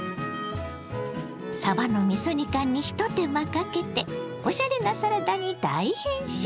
さばのみそ煮缶にひと手間かけておしゃれなサラダに大変身！